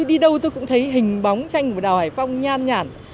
đi đâu tôi cũng thấy hình bóng tranh của đào hải phong nhan nhản